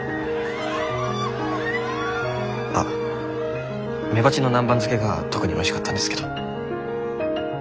あメバチの南蛮漬けが特においしかったんですけど。